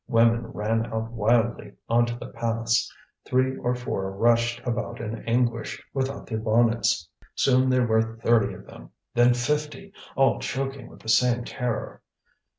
Women ran out wildly on to the paths; three or four rushed about in anguish, without their bonnets. Soon there were thirty of them, then fifty, all choking with the same terror.